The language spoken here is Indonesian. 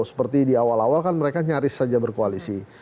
seperti di awal awal kan mereka nyaris saja berkoalisi